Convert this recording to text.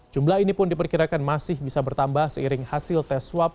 jumlah ini pun diperkirakan masih bisa bertambah seiring hasil tes swab